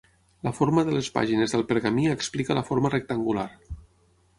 La forma de les pàgines del pergamí explica la forma rectangular.